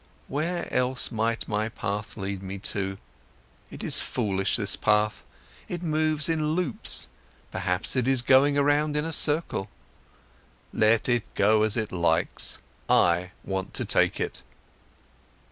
Where else might my path lead me to? It is foolish, this path, it moves in loops, perhaps it is going around in a circle. Let it go as it likes, I want to take it.